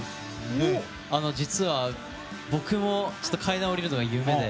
実は僕も階段を下りるのが夢で。